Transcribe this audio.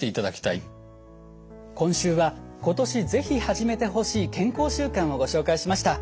今週は今年是非始めてほしい健康習慣をご紹介しました。